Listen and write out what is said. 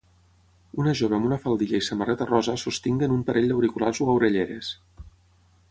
una jove amb una faldilla i samarreta rosa sostinguen un parell d'auriculars o orelleres.